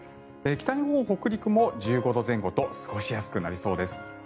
北日本、北陸も１５度前後と過ごしやすくなりそうです。